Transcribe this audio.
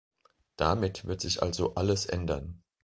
Damit wird sich also alles ändern.